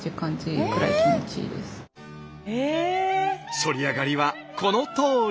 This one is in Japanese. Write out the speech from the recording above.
そり上がりはこのとおり。